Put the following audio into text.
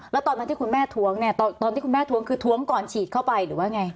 แล้วตอนที่คุณแม่ท้วงเนี่ยคือท้วงก่อนฉีดเข้าไปหรือว่าไง